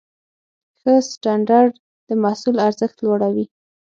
ښه سټنډرډ د محصول ارزښت لوړوي.